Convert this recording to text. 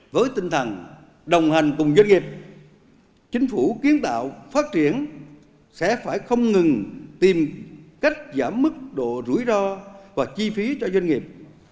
với tinh thần đồng hành cùng doanh nghiệp chính phủ kiến tạo phát triển sẽ phải không ngừng tìm cách giảm mức độ rủi ro và chi phí cho doanh nghiệp